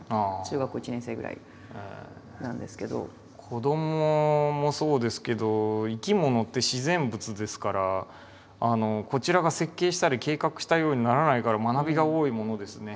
子どももそうですけど生き物って自然物ですからこちらが設計したり計画したようにならないから学びが多いものですね。